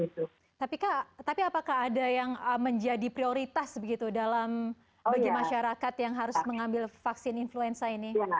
tapi apakah ada yang menjadi prioritas begitu dalam bagi masyarakat yang harus mengambil vaksin influenza ini